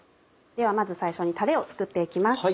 ではまず最初にタレを作って行きます。